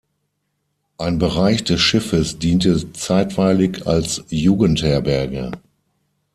Ein Bereich des Schiffes diente zeitweilig als Jugendherberge.